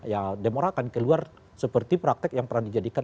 ya demokrat akan keluar seperti praktek yang pernah dijadikan